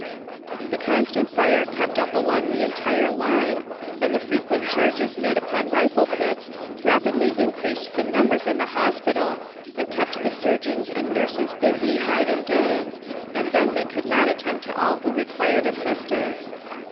The constant fire kept up along the entire line, and the frequent charges made upon rifle pits, rapidly increased the numbers in the hospital, and kept the surgeons and nurses busy night and day, and then they could not attend to all who required assistance.